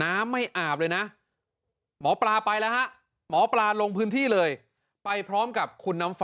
น้ำไม่อาบเลยนะหมอปลาไปแล้วฮะหมอปลาลงพื้นที่เลยไปพร้อมกับคุณน้ำฟ้า